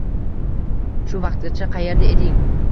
— Shu vaqtgacha qaerda eding?